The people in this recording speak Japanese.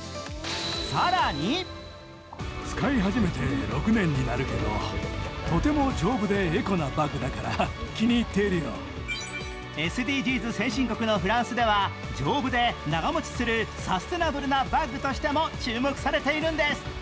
更にＳＤＧｓ先進国のフランスでは丈夫で長もちするサステナブルなバッグとしても注目されているんです。